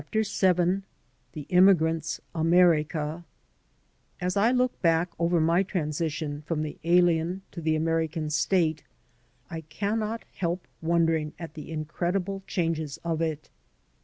•* VII THE immigrant's AMERICA AS I look back over my transition from the alien to the American state I cannot help wondering at the incredible changes of it.